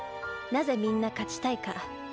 なぜみんな勝ちたいか。